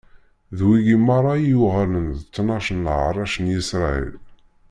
D wigi meṛṛa i yuɣalen d tnac n leɛṛac n Isṛayil.